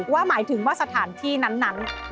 หมายถึงว่าสถานที่นั้น